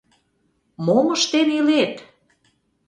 Мом ыштен илет?